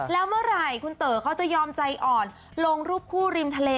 แล้วเมื่อไหร่คุณเต๋อเขาจะยอมใจอ่อนลงรูปคู่ริมทะเล